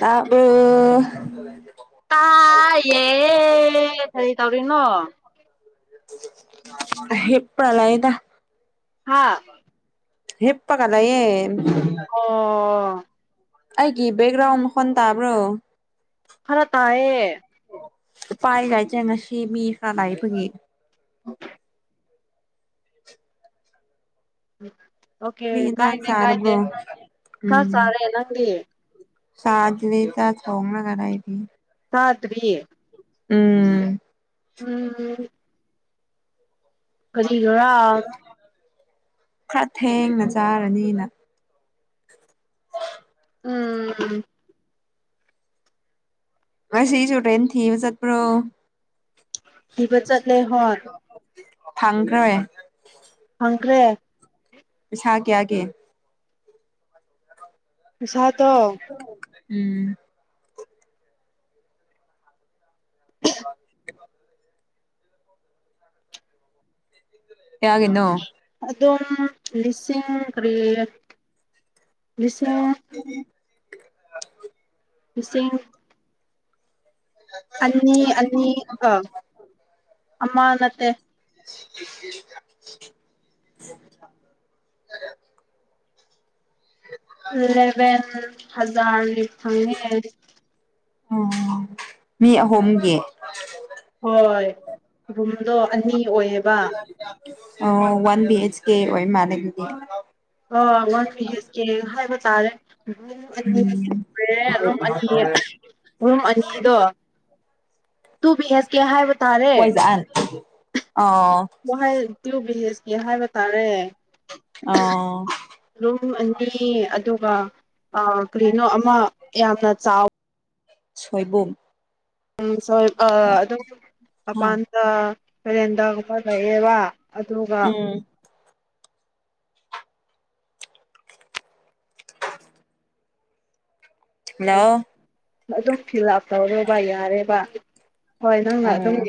ꯇꯕꯨ ꯇꯥꯏꯌꯦ ꯀꯔꯤ ꯇꯧꯔꯤꯅꯣ ꯍꯦ ꯄ꯭ꯔꯂꯗ ꯍꯥꯥ ꯍꯄꯒꯂ ꯌꯦ ꯑꯣ ꯑꯩꯒꯤ ꯦꯛꯒ꯭ꯔꯥꯎꯟ ꯍ ꯇꯕ꯭ꯔꯣ ꯍꯔ ꯇꯥꯑꯦ ꯄꯥꯏꯒꯥꯏꯖꯦ ꯉꯁꯤ ꯃꯤ ꯏꯁꯥꯅꯏ ꯐꯉ ꯎ ꯑꯣꯀꯦ ꯀꯔꯤ ꯏꯟꯖꯥꯡ ꯀꯥꯏꯗꯦ ꯀꯥꯏꯗꯦ ꯆꯥꯔꯕ꯭ꯔꯣ ꯁꯥ ꯆꯥꯔꯦ ꯅꯪꯗꯤ ꯁꯥꯖꯔꯤ ꯆ ꯆꯣꯡꯅ ꯀꯥꯏꯗꯤ ꯆꯇꯔꯤ ꯎꯝ ꯎꯝ ꯎꯝ ꯀꯔꯤꯒꯔ ꯈꯔ ꯊꯦꯡꯅ ꯆꯥꯔꯅꯤꯅ ꯎꯝꯝ ꯃꯁꯤꯁꯁꯨ ꯔ꯭ꯔꯦꯦꯟ ꯊꯤ ꯃꯁꯠꯄ꯭ꯔꯣ ꯕ ꯆꯠꯂꯦ ꯍꯔ ꯊꯪꯈ꯭ꯔꯦ ꯍꯪꯈ꯭ꯔꯦ ꯑꯁ ꯀꯦꯒꯦ ꯁꯥꯠ ꯎꯝ ꯍ ꯌꯥꯒꯅꯣ ꯑꯗꯨꯝ ꯂꯤꯁꯤꯡ ꯀꯔꯤ ꯕꯤꯁꯥ ꯁꯤꯡ ꯑꯅꯤ ꯑꯅꯤ ꯑ ꯑꯃ ꯅꯠꯇꯦ [unintelligible] ꯂꯂꯦꯚꯦꯟ ꯍꯖꯔ ꯂꯤ ꯐꯪꯉꯦ ꯎꯝ ꯃꯤ ꯑꯍꯨꯝꯒꯤ ꯍꯣꯏ ꯔꯨꯝꯗꯣ ꯑꯅꯤ ꯑꯣꯏꯌꯦꯕ ꯑ ꯋꯥꯟ ꯕꯤ ꯑꯦꯆ ꯀꯦ ꯑꯣꯏ ꯃꯥꯅꯦꯒꯤꯗꯤ ꯑꯣꯀ ꯍꯥꯏꯕ ꯇꯥꯔꯦ ꯔꯨꯝ ꯑꯅꯤ ꯎꯝ ꯔꯨꯝ ꯑꯅꯤ ꯔꯨꯝ ꯑꯅꯤꯗꯣ ꯇꯨ ꯑꯦꯁ ꯀꯦ ꯍꯥꯏꯕ ꯄꯣꯏꯁ ꯑ ꯋꯥ ꯇ꯭ꯌꯨ ꯕꯤꯍꯦꯁꯀꯤ ꯍꯥꯏꯕ ꯇꯥꯔꯦ ꯑꯣ ꯔꯨꯝ ꯑꯅꯤ ꯑꯗꯨꯒ ꯀꯔꯤꯅꯣ ꯑꯃ ꯌꯥꯝꯅ ꯆꯥꯎ ꯁꯣꯏꯕꯨꯝ ꯎꯝ ꯁ ꯑꯗꯨꯝ ꯎꯝ ꯃꯄꯥꯟꯗ ꯍꯔꯦꯟꯗꯒꯨꯝꯕ ꯂꯩꯑꯦꯕ ꯑꯗꯨꯒ [unintelligible] ꯍꯜꯂꯣ ꯑꯗꯨꯝ ꯐꯤꯜ ꯑꯞ ꯇꯧꯔꯦꯕ ꯌꯥꯔꯦꯕ ꯍꯣꯏ ꯅꯪꯅ ꯑꯗꯨꯝ ꯎꯝ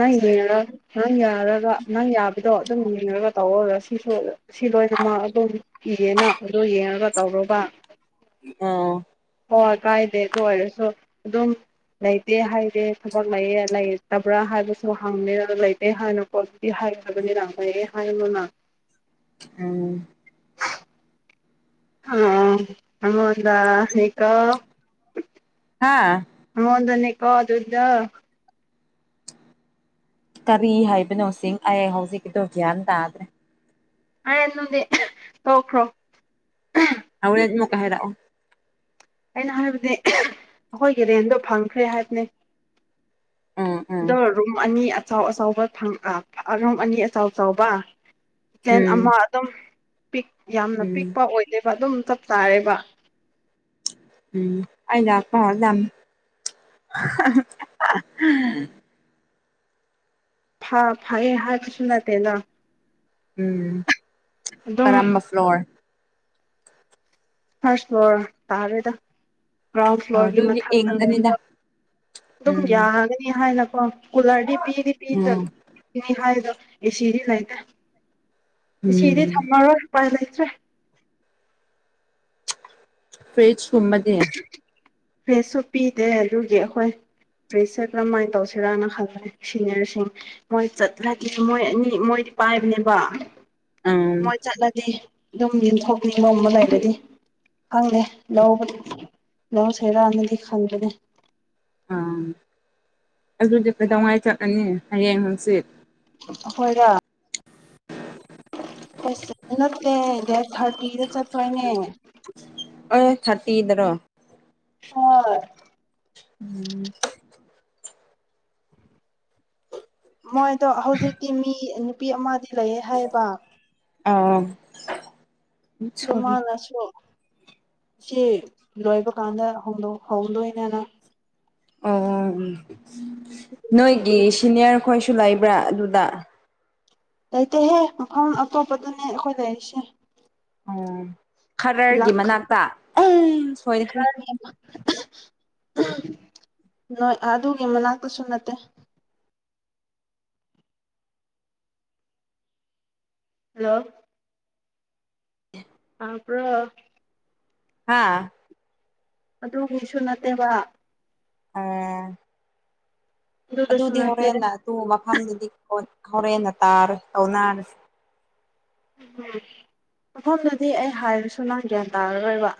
ꯅꯪꯉ ꯅꯪ ꯌꯥꯔꯒ ꯅꯪ ꯌꯥꯕꯗꯣ ꯑꯗꯨꯝ ꯌꯦꯡꯉꯒ ꯇꯧꯔꯔꯁꯤ ꯁꯤꯁꯨ ꯁꯤ ꯂꯣꯏꯅꯃꯛ ꯑꯗꯨꯝ ꯏꯌꯦꯅ ꯑꯗꯨ ꯌꯦꯡꯉꯒ ꯇꯧꯔꯒ ꯑ ꯍꯣꯏ ꯀꯥꯏꯗꯦ ꯑꯗꯨ ꯑꯣꯏꯔꯁꯨ ꯑꯗꯨꯝ ꯂꯩꯇꯦ ꯍꯥꯏꯔꯦ ꯊꯕꯛ ꯂꯩꯌꯦꯦ ꯂꯩꯇꯕ꯭ꯔꯥ ꯍꯥꯏꯕꯁꯨ ꯍꯪꯅꯤ ꯑꯗꯨ ꯂꯩꯇꯦ ꯍꯥꯏꯅꯨꯀꯣ ꯑꯗꯨ ꯅꯤꯔ ꯑꯦ ꯍꯥꯏꯣꯅ ꯑꯝ ꯑꯃꯗ ꯏꯀ ꯍꯥ ꯃꯗꯅꯤ ꯀꯋꯥ ꯑꯗꯨꯗ ꯀꯔꯤ ꯍꯥꯏꯕꯅꯣ ꯁꯤꯡ ꯑꯩ ꯍꯧꯖꯤꯛꯀꯤꯗꯣ ꯒ꯭ꯌꯥꯟ ꯇꯥꯗ꯭ꯔꯦ ꯑꯣ ꯅꯣꯈ꯭ꯔꯣ ꯑ ꯃ ꯀ ꯍꯔꯑꯣ ꯑꯩꯅ ꯍꯥꯏꯕꯗꯤ ꯑꯩꯈꯣꯏꯒꯤ ꯔꯦꯟꯗꯣ ꯐꯪꯈ꯭ꯔꯦ ꯍꯥꯏꯕꯅꯦ ꯎꯝ ꯎꯝ ꯑꯗ ꯔꯨꯝꯝ ꯑꯅꯤ ꯑꯆꯥꯎ ꯑꯆꯕ ꯑꯉꯝ ꯑꯅꯤ ꯑꯆꯥꯎ ꯆꯥꯎꯕ ꯀꯤ꯭ꯂꯦꯟ ꯎꯝ ꯑꯃ ꯑꯗꯨꯝ ꯄꯤꯛ ꯌꯥꯝꯅ ꯎꯝ ꯄꯤꯛꯄ ꯑꯣꯏꯗꯣꯏꯕ ꯑꯗꯨꯝ ꯆꯞ ꯆꯥꯔꯦꯕ ꯎꯝ ꯑꯩꯅꯥꯛꯄꯔꯗꯝ [inaudible] [unintelligible] ꯐ ꯐꯌꯦ ꯍꯥꯏꯕꯁꯨ ꯅꯠꯇꯦꯅ ꯎꯝ ꯀꯔꯝꯕ ꯐ꯭ꯂꯣꯔ ꯐꯔꯁ ꯍ ꯇꯥꯔꯦꯗ ꯒ꯭ꯔꯥꯎꯟ ꯐ꯭ꯂꯣꯔꯒꯤ ꯑꯗꯨꯗꯤ ꯃꯊꯛꯇ ꯏꯪꯒꯅꯤꯗ ꯑꯗꯨꯝ ꯎꯝ ꯌꯥꯒꯅꯤ ꯍꯥꯏꯅ ꯀꯨꯂꯔꯗꯤ ꯄꯤꯗꯤ ꯎꯝ ꯄꯤꯗꯅꯤ ꯍꯥꯏꯗꯣ ꯑꯦꯁꯤꯗꯤ ꯂꯩꯇ꯭ꯔꯦ ꯁꯤꯗꯤ ꯎꯝ ꯊꯝꯃꯔꯣꯏ ꯂꯩꯇ꯭ꯔꯦ ꯐꯦ ꯁꯨꯝꯃꯗꯤ ꯐ꯭ꯔꯦꯁꯁꯨ ꯄꯤꯗꯦ ꯑꯗꯨꯒꯤ ꯑꯩꯈꯣꯏ ꯄ꯭ꯔꯦꯁꯔ ꯀꯔꯝꯍꯥꯏꯅ ꯇꯧꯁꯤꯔꯥꯅ ꯈꯜꯂꯦ ꯁꯤꯅꯤꯌꯔꯁꯤꯡ ꯃꯣꯏ ꯆꯠꯂ ꯃꯣꯏ ꯑꯅꯤ ꯃꯣꯏ ꯄꯥꯏꯕꯅꯦꯕ ꯎꯝ ꯃꯣꯏ ꯆꯠꯂꯗꯤ ꯑꯗꯨꯝ ꯌꯦꯟꯊꯣꯛꯅꯤ ꯅꯣꯡꯃ ꯂꯩꯕꯗꯤ ꯈꯪꯗꯦ ꯂꯧꯕ ꯂꯧ ꯁꯣꯏꯔꯛꯑꯅꯗꯤ ꯈꯪꯕꯅꯦ ꯑꯥ ꯑꯗꯨꯗꯤ ꯀꯩꯗꯧꯉꯩ ꯆꯠꯂꯅꯤ ꯍꯌꯦꯡ ꯍꯪꯆꯠ ꯒ ꯑꯁ ꯅꯠꯇꯦ ꯗꯦꯠ ꯊꯥꯔꯇꯤꯗ ꯆꯠꯄꯅꯦ ꯑꯦ ꯊꯇꯤꯗꯔꯣ ꯍ ꯎꯝ ꯃꯣꯏꯗꯣ ꯍꯧꯖꯤꯛꯇꯤ ꯃꯤ ꯅꯨꯄꯤ ꯑꯃꯗꯤ ꯂꯩꯌꯦ ꯍꯥꯏꯕ ꯑꯥ ꯃꯅꯁꯨ ꯁꯤ ꯂꯣꯏꯕ ꯀꯥꯟꯗ ꯍꯧꯗꯣꯏꯅꯅ ꯑꯣ ꯑꯣ ꯅꯣꯏꯒꯤ ꯁꯤꯅꯤꯌꯔ ꯈꯣꯏꯁꯨ ꯂꯥꯛꯏꯕ ꯕ꯭ꯔꯥ ꯑꯗꯨꯗ ꯂꯩꯇꯦꯍꯦ ꯃꯐꯝ ꯑꯇꯣꯞꯄꯗꯅꯦ ꯑꯩꯈꯣꯏ ꯂꯩꯔꯤꯁꯦ ꯎꯝ ꯈꯔꯒꯤ ꯂꯛ ꯃꯅꯥꯛꯇ ꯎ ꯁꯣꯏꯗꯦ ꯅꯣꯏ ꯑꯗꯨꯒꯤ ꯃꯅꯥꯛꯇꯁꯨ ꯅꯠꯇꯦ ꯍꯜꯂꯣ ꯇꯥꯕ꯭ꯔꯣ ꯍꯥꯥ ꯑꯗꯨꯒꯤꯁꯨ ꯅꯠꯇꯦꯕ ꯑ ꯑꯗꯨꯗꯁꯨ ꯑꯗꯨꯗꯤ ꯅꯠꯇꯦ ꯍꯣꯔꯦꯟꯟꯅ ꯑꯗꯨ ꯃꯐꯝꯗꯨꯗꯤ ꯍꯣꯔꯦꯟꯅ ꯇꯥꯔꯦ ꯇꯧꯅꯔꯁꯦ ꯎꯝ ꯃꯐꯝꯗꯨꯗꯤ ꯑꯩ ꯍꯥꯏꯔꯁꯨ ꯅꯪ ꯒ꯭ꯌꯥꯟ ꯇꯥꯔꯔꯣꯏꯕ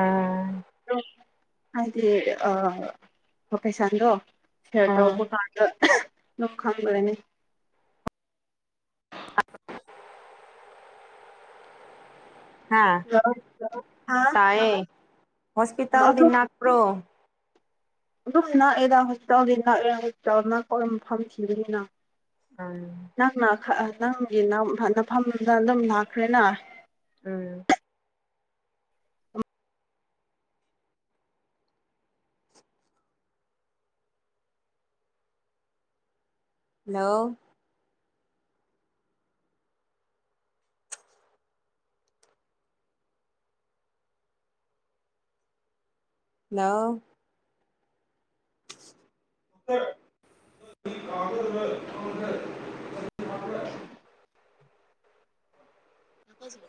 ꯑꯥ ꯍꯂ ꯍꯥꯏꯗꯤ ꯑ ꯑꯣ ꯐꯩꯁꯥꯟꯗꯣ ꯑꯥ ꯁꯇꯕꯨ ꯀꯥꯟꯗ ꯂꯣ ꯈꯪꯒꯗꯅꯦ ꯑ ꯍꯥ ꯇꯌꯦ ꯍꯁꯄꯤꯇꯥꯜꯗꯤ ꯑꯗꯨꯝ ꯅꯥꯛꯀ꯭ꯔꯣ ꯑꯗꯨꯝ ꯅꯛꯑꯗ ꯍꯣꯁꯄꯤꯇꯥꯜꯅꯤ ꯅꯛꯑ ꯍꯣꯁꯄꯤꯇꯥꯜ ꯅ ꯀꯔ ꯃꯐꯝ ꯊꯕꯅꯤꯅ ꯎꯝ ꯅꯪꯅ ꯅꯪꯒꯤ ꯅꯐꯝꯗ ꯑꯗꯨꯝ ꯂꯥꯛꯈ꯭ꯔꯦꯅ ꯎꯝ ꯍꯜꯂꯣ ꯅꯅꯥ ꯎ ꯀ ꯁ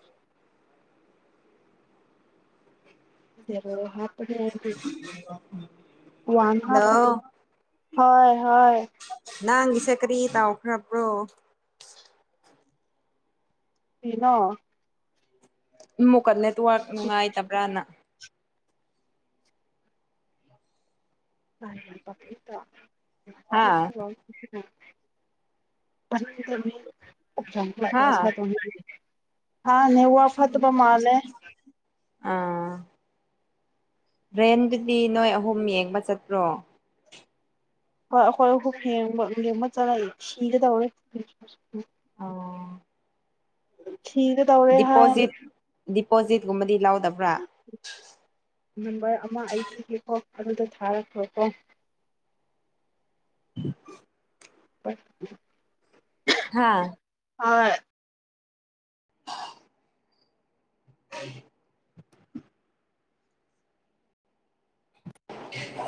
ꯔ ꯍꯥꯄꯅꯤ ꯋꯥ ꯍꯜꯂꯣ ꯍꯥꯄ ꯍꯣꯏ ꯍꯣꯏ ꯅꯪꯒꯤꯁꯦ ꯀꯔꯤ ꯇ ꯑꯣꯈ꯭ꯔ ꯄꯨ꯭ꯔꯣ ꯁꯤꯩꯅꯣ ꯃꯨꯀꯠꯅꯦ ꯇ ꯅꯨꯡꯉꯥꯏꯇꯕ꯭ꯔꯥꯅ ꯍꯥ ꯍꯥ [unintelligible] ꯁꯥ ꯇꯧ ꯍꯥꯅꯦꯦ ꯋꯥ ꯋꯥ ꯐꯠꯇꯕ ꯃꯥꯅꯦ ꯕ꯭ꯔꯦꯟꯗꯨꯗꯤ ꯅꯣꯏ ꯑꯍꯨꯝ ꯌꯦꯡꯕ ꯆꯠꯄ꯭ꯔꯣ ꯍ ꯍꯣꯏ ꯍꯦ ꯍꯃ ꯆꯂꯏ ꯁꯤꯒ ꯇꯧꯔ ꯑꯣ ꯊꯤꯒ ꯇꯧꯔꯦ ꯄꯣꯖꯤꯠꯀꯨꯝꯕꯗꯤ ꯂꯧꯗꯕ꯭ꯔꯥ ꯅꯝꯕꯔ ꯑꯃ ꯑꯩ ꯄꯤꯒꯦꯀꯣ ꯑꯗꯨꯗ ꯊꯥꯔꯛꯈ꯭ꯔꯣꯀꯣ ꯎꯝ ꯍꯣꯏ ꯍꯥꯥ ꯑ [unintelligible] [unintelligible]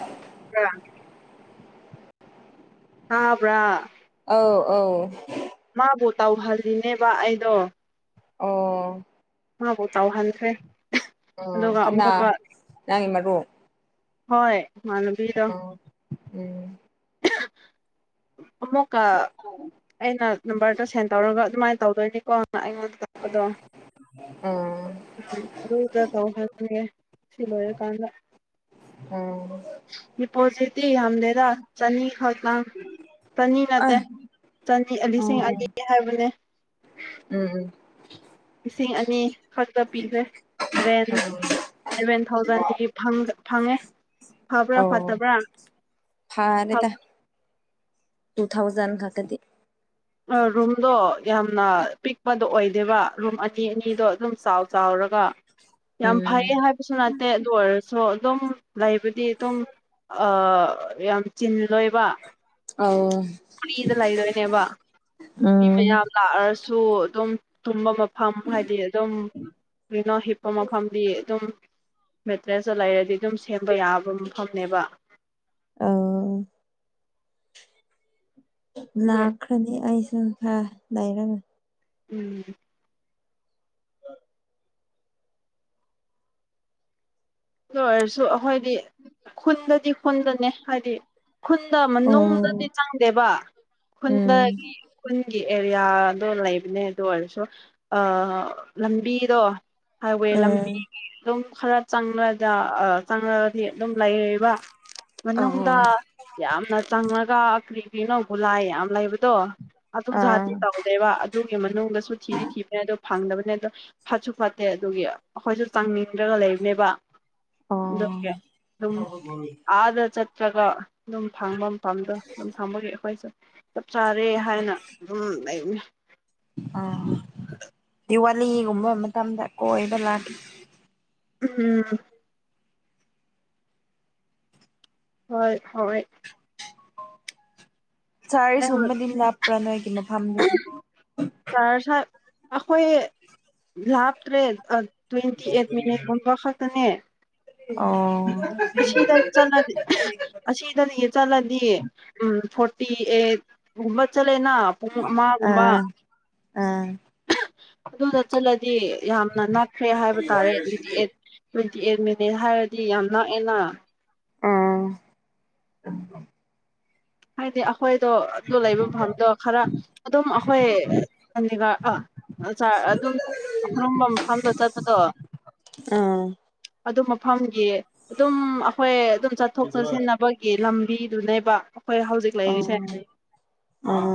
ꯑ ꯇꯥꯕ꯭ꯔꯥ ꯑꯥꯎ ꯑꯧ ꯃꯥꯕꯨ ꯇꯧꯍꯜꯂꯤꯅꯦꯕ ꯑꯩꯗꯣ ꯑꯣ ꯍꯕꯨ ꯇꯥꯎ ꯍꯟꯗ꯭ꯔꯦ ꯎ ꯀꯅꯥ ꯅꯪꯒꯤ ꯃꯔꯨꯞ ꯍꯣꯏ ꯃꯥꯅꯕꯤꯗꯣ ꯑꯣ ꯎꯝ ꯑꯃꯨꯛꯀ ꯑꯩꯅ ꯅꯝꯕꯔꯗ ꯁꯦꯟ ꯇꯧꯔꯒ ꯑꯗꯨꯃꯥꯏꯅ ꯇꯧꯗꯣꯏꯅꯤꯀꯣ ꯑꯩꯉꯣꯟꯗ ꯇꯥꯛꯄꯗꯣ ꯎꯝ ꯎꯝ ꯑꯗꯨꯗ ꯇꯧꯍꯟꯉꯦ ꯁꯤ ꯂꯣꯏꯔꯀꯥꯟꯗ ꯎꯝ ꯏ ꯄꯣꯁꯤꯇ ꯌꯥꯝꯗꯦꯗ ꯆꯅꯤ ꯍꯪ ꯆꯅꯤ ꯅꯠꯇꯦ ꯑꯩ ꯆꯅꯤ ꯑꯂꯤꯁꯤꯡ ꯎꯝ ꯑꯂꯤ ꯍꯥꯏꯕꯅꯦ ꯎꯝ ꯎꯝ ꯂꯤꯁꯤꯡ ꯑꯅꯤ ꯈꯛꯇ ꯄꯤꯈ꯭ꯔꯦ ꯔꯦꯟ ꯁꯂꯚꯦꯟ ꯊꯥꯎꯖꯟꯗꯒꯤ ꯐꯪꯉꯦ ꯐꯕ꯭ꯔꯥ ꯑꯣ ꯐꯠꯇꯕ꯭ꯔꯥ ꯐꯕꯥ ꯇ ꯊꯥꯎꯖꯟ ꯈꯛꯇꯗꯤ ꯔꯨꯝꯗꯣ ꯌꯥꯝꯅ ꯄꯤꯛꯄꯗꯣ ꯑꯣꯏꯗꯦꯕ ꯔꯨꯝ ꯑꯅꯤ ꯑꯅꯤꯗꯣ ꯑꯗꯨꯝ ꯆꯥꯎ ꯆꯥꯎꯔꯒ ꯌꯥꯝ ꯎꯝ ꯐꯩꯌꯦ ꯍꯥꯏꯕꯁꯨ ꯅꯠꯇꯦ ꯑꯗꯨ ꯑꯣꯏꯔꯁꯨ ꯑꯗꯨꯝ ꯂꯩꯕꯗꯤ ꯑꯗꯨꯝ ꯌꯥꯝ ꯆꯤꯟ ꯂꯣꯏꯕ ꯑꯧ ꯐꯨꯔꯤꯗ ꯂꯩꯗꯣꯏꯅꯦꯕ ꯃꯤ ꯎꯝ ꯃꯌꯥꯝ ꯂꯥꯛꯑꯔꯁꯨ ꯑꯗꯨꯝ ꯇꯨꯝꯕ ꯐꯝ ꯍꯥꯏꯗꯤ ꯑꯗꯨꯝ ꯀꯩꯅꯣ ꯍꯤꯞꯄ ꯃꯐꯝꯗꯤ ꯑꯗꯨꯝ ꯃꯠꯇ꯭ꯔꯦ ꯆꯣ ꯂꯥꯏꯔꯗꯤ ꯕ ꯌꯥꯕ ꯃꯐꯝꯅꯦꯕ ꯑꯧ ꯑꯗꯣ ꯂꯥꯛꯈ꯭ꯔꯅꯤ ꯑꯩꯁꯨ ꯈꯔ ꯂꯩꯔꯒ ꯎꯝ ꯂꯣꯏꯔꯁꯨ ꯑꯩꯈꯣꯏꯗꯤ ꯈꯨꯟꯗꯗꯤ ꯈꯨꯟꯗꯅꯦ ꯍꯥꯏꯗꯤ ꯈꯨꯟꯗ ꯃꯅꯨꯡꯗꯗꯤ ꯎꯝ ꯆꯪꯗꯦꯕ ꯎꯝ ꯈꯨꯨꯟꯗꯒꯤ ꯈꯨꯟꯒꯤ ꯑꯦꯔꯤꯌꯥꯗꯣ ꯂꯩꯕꯅꯦ ꯑꯗꯨ ꯑꯣꯏꯔꯁꯨ ꯑ ꯂꯝꯕꯤꯗꯣ ꯍꯥꯏꯋꯦ ꯎꯝ ꯂꯝꯕꯤꯒꯤ ꯑꯗꯨꯝ ꯈꯔ ꯆꯪꯂꯒ ꯑꯥ ꯆꯪꯉꯑꯗꯤ ꯑꯗꯨꯝ ꯂꯩꯔꯤꯕ ꯑꯣ ꯃꯅꯨꯡꯗ ꯌꯥꯝꯅ ꯆꯪꯉꯒ ꯑ ꯀ꯭ꯔꯤ ꯀ꯭ꯔꯤꯅꯣꯕꯨꯂꯥꯏ ꯌꯥꯝ ꯂꯩꯕꯗꯣ ꯑꯗꯨ ꯑꯥ ꯖꯥꯇꯤ ꯇꯧꯗꯦꯕ ꯑꯗꯨꯒꯤ ꯃꯅꯨꯡꯗꯁꯨ ꯊꯤꯗꯤ ꯊꯤꯕꯅꯦ ꯑꯗꯨ ꯐꯪꯗꯕꯅꯦ ꯑꯗ ꯐꯠꯁꯨ ꯐꯠꯇꯦ ꯑꯗꯨꯒꯤ ꯑꯈꯣꯏꯁꯨ ꯆꯥꯡꯅꯤꯡꯗ꯭ꯔꯒ ꯂꯩꯕꯅꯦꯕ ꯑꯣ ꯑꯗꯨꯒꯤ ꯑꯗꯨꯝ ꯑꯥꯗ ꯆꯠꯇ꯭ꯔꯒ ꯑꯗꯨꯝ ꯐꯪꯐꯝ ꯃꯐꯝꯗꯣ ꯑꯗꯨꯝ ꯊꯝꯕꯒꯤ ꯑꯩꯈꯣꯏꯁꯨ ꯆꯞ ꯆꯥꯔꯦ ꯍꯥꯏꯅ ꯑꯗꯨꯝ ꯂꯩꯕꯅꯤ ꯍꯣꯂꯤꯒꯨꯝꯕ ꯃꯇꯝꯗ ꯀꯣꯏꯕ ꯂꯥꯛꯀꯦ ꯎꯝ ꯍꯣꯏ ꯍꯣꯏ ꯆꯥꯔꯤ ꯁꯣꯝꯃꯗꯤ ꯂꯥꯞꯄ꯭ꯔꯥ ꯅꯣꯏꯒꯤ ꯃꯐꯝꯗꯒꯤ ꯆꯥꯔꯖ ꯑꯩꯈꯣꯏ ꯂꯥꯞꯇ꯭ꯔꯦ ꯑ ꯇ꯭ꯋꯦꯟꯇꯤ ꯑꯩꯠ ꯃꯤꯅꯤꯠꯒꯨꯝꯕ ꯈꯛꯇꯅꯦ ꯑꯣ ꯑꯁꯤꯗ ꯆꯠꯂꯗꯤ ꯑꯍ ꯑꯁꯤꯗꯗꯤ ꯆꯠꯂꯗꯤ ꯎꯝ ꯐꯣꯔ ꯇꯤ ꯑꯦꯠ ꯒꯨꯝꯕ ꯆꯠꯂꯦꯅ ꯄꯨꯡ ꯑꯃꯒꯨꯝꯕ ꯑꯥ ꯑꯥ ꯑꯥ ꯑꯗꯨꯗ ꯆꯠꯂꯗꯤ ꯌꯥꯝꯅ ꯅꯛꯈ꯭ꯔꯦ ꯑꯣ ꯍꯥꯏꯕ ꯇꯥꯔꯦ ꯑꯗꯨꯗꯤ ꯑꯥ eight twenty eight minute ꯍꯥꯏꯔꯗꯤ ꯌꯥꯝ ꯅꯛꯑꯦꯅ ꯑꯪ ꯍꯥꯏꯗꯦ ꯑ ꯑꯩꯈꯣꯏꯗꯣ ꯑꯗꯨ ꯂꯩꯕ ꯃꯐꯝꯗꯣ ꯈꯔ ꯑꯗꯨꯝ ꯑꯈꯣꯏ [unintelligible] ꯑꯗꯨꯝ ꯑꯔꯨꯝꯕ ꯃꯐꯝꯗ ꯆꯠꯄꯗꯣ ꯑꯗꯨ ꯃ ꯐꯝꯒꯤ ꯑꯗꯨꯝ ꯑꯈꯣꯏ ꯑꯗꯨꯝ ꯆꯠꯊꯣꯛ ꯆꯠꯁꯤꯟꯅꯕꯒꯤ ꯂꯝꯕꯤꯗꯨꯅꯦꯕ ꯍꯣꯏ ꯍꯧꯖꯤꯛ ꯂꯩꯔꯤꯁꯦ ꯑꯥ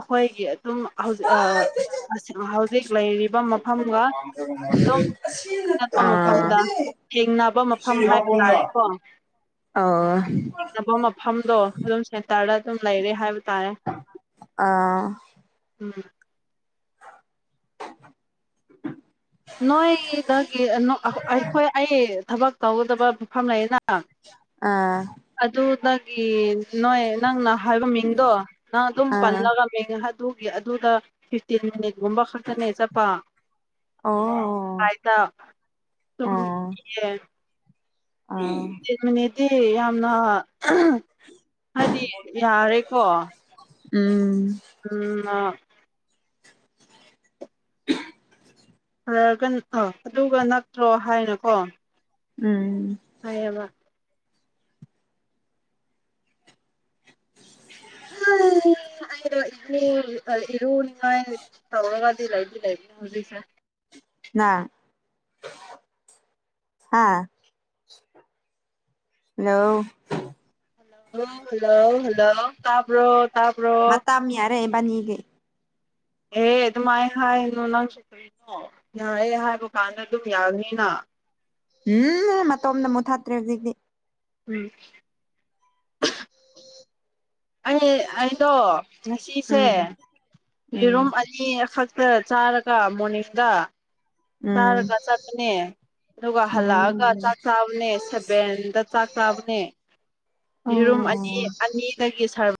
ꯑꯈꯣꯏꯒꯤ ꯑꯗꯨꯝ ꯍꯧꯖꯤꯛ ꯑ ꯑꯁꯤ ꯑ ꯍꯧꯖꯤꯛ ꯂꯩꯔꯤꯕ ꯃꯐ ꯆꯠꯄ ꯑꯥ ꯃꯐꯝꯗ ꯊꯦꯡꯅꯕ ꯃꯐꯝ ꯍꯥꯏꯕ ꯇꯥꯔꯦꯀꯣ ꯅꯕ ꯃꯐꯝꯗꯣ ꯑꯗꯨꯝ ꯇꯥꯔ ꯑꯗꯨꯝ ꯂꯩꯔꯦ ꯍꯥꯏꯕ ꯇꯥꯔꯦ ꯎꯝ ꯅꯣꯏꯗꯒꯤ ꯑ ꯅꯣ ꯑ ꯍꯣ ꯑꯩꯈꯣꯏ ꯑꯩ ꯊꯕꯛ ꯇꯧꯒꯗꯕ ꯃꯐꯝ ꯂꯩꯌꯦꯅ ꯑꯥ ꯑꯗꯨꯗꯒꯤ ꯅꯣꯏ ꯅꯪꯅ ꯍꯥꯏꯕ ꯃꯤꯡꯗꯣ ꯅꯪ ꯑꯗꯨꯝ ꯄꯜꯂꯒ ꯃꯤꯡ ꯍꯥ ꯗꯨꯒꯤ ꯑꯗꯨꯗ ꯐꯤꯐꯇꯤꯟ ꯃꯤꯅꯤꯠꯒꯨꯝꯕ ꯈꯛꯇꯅꯦ ꯆꯠꯄ ꯑꯣ ꯐꯥꯏꯗ ꯇ ꯑꯥ ꯑꯥ ꯇꯨꯝ ꯃꯤꯌꯦ ꯇꯦꯟ ꯃꯤꯅꯤꯠꯇꯤ ꯌꯥꯝꯅ ꯍꯥꯏꯗꯤ ꯌꯥꯔꯦꯀꯣ ꯎꯝ ꯎꯝ ꯅ [unintelligible] ꯐꯒꯟ ꯑ ꯑꯗꯨꯒ ꯅꯛꯇ꯭ꯔꯣ ꯍꯥꯏꯅꯀꯣ ꯎꯝ ꯍꯥꯏꯌꯦꯕ ꯑ ꯍ ꯑꯩꯗꯣ ꯏꯔꯨ ꯑ ꯏꯔꯨꯅꯤꯡꯉꯥꯏ ꯇꯧꯔꯒꯗꯤ ꯂꯩꯗꯤ ꯂꯩꯕꯅꯦ ꯍꯨꯖꯤꯛꯁꯦ ꯅꯥ ꯑꯥ ꯍꯜꯂꯣ ꯍꯜꯂꯣ ꯍꯜꯂꯣ ꯍꯜꯂꯣ ꯇꯥꯄ ꯃꯝ ꯌꯥꯔꯦ ꯅꯤꯒ ꯑꯦ ꯑꯗꯨꯃꯥꯏꯅ ꯍꯥꯏꯅꯨ ꯅꯪꯁꯨ ꯀꯔꯤꯩꯅꯣ ꯌꯥꯑꯦ ꯍꯥꯏꯕ ꯀꯥꯟꯗ ꯑꯗꯨꯝ ꯌꯥꯅꯤꯅ [unintelligible] ꯎꯝ ꯃꯇꯣꯝꯗ ꯑꯃꯨꯛ ꯊꯥꯠꯇ꯭ꯔꯦ ꯍꯧꯖꯤꯛꯇꯤ ꯎꯝ ꯑꯩ ꯑꯩꯗꯣ ꯉꯁꯤꯁꯦ ꯎꯝ ꯎꯝ ꯌꯦꯔꯨꯝ ꯑꯅꯤꯈꯛ ꯈ ꯆꯥꯔꯒ ꯃꯣꯅꯤꯁꯇ ꯎꯝ ꯆꯥꯔꯒ ꯆꯠꯄꯅꯦ ꯑꯗꯨꯒ ꯍꯜꯂꯛꯑꯒ ꯆꯥꯛ ꯎꯝ ꯆꯥꯕꯅꯦ ꯁꯕꯦꯟꯗ ꯆꯥꯛ ꯆꯥꯕꯅꯦ ꯌꯦꯔꯨꯝ ꯑꯅꯤ ꯑꯣ ꯑꯅꯤꯗꯒꯤ ꯁꯥꯔ